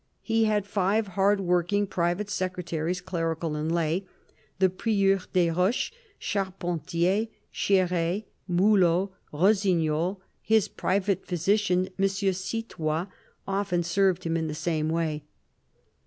He had five hard worked private secretaries, clerical and lay : the Prieur des Roches, Charpentier, Chere, Mulot, Rossignol ; his private physician, M. Citoys, often served him in the same way.